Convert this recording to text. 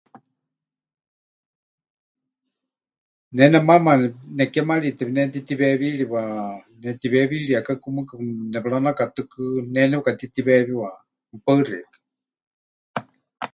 Ne nemaama nekémarite pɨnetitiweewíriwa, netiweewíriekaku mɨɨkɨ nepɨranakatɨkɨ, ne nepɨkatitiweewiwa. Mɨpaɨ xeikɨ́a.